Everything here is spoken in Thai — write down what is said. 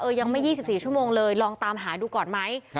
ยังไม่๒๔ชั่วโมงเลยลองตามหาดูก่อนไหม